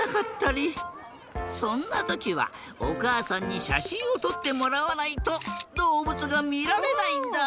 そんなときはおかあさんにしゃしんをとってもらわないとどうぶつがみられないんだ。